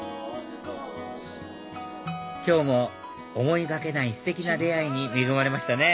今日も思いがけないステキな出会いに恵まれましたね